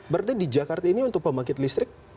berarti di jakarta ini untuk pembangkit listrik